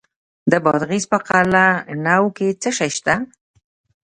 د بادغیس په قلعه نو کې څه شی شته؟